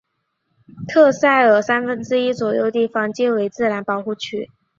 特塞尔三分之一左右地方皆为自然保护区。